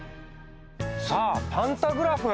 さあパンタグラフ